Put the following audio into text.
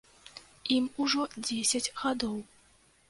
Ім ужо дзесяць гадоў.